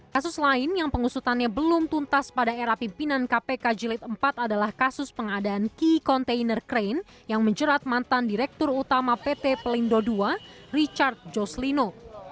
kasus lain yang pengusutannya belum tuntas pada era pimpinan kpk jilid empat adalah kasus pengadaan key container crane yang menjerat mantan direktur utama pt pelindo ii richard joslino